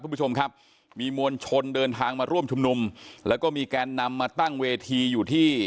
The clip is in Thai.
คุณผู้ชมครับมีมวลชนเดินทางมาร่วมชุมนุมแล้วก็มีแกนนำมาตั้งเวทีอยู่ที่